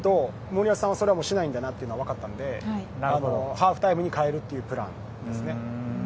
森保さんはそれはしないんだなと分かったのでハーフタイムに変えるというプランですね。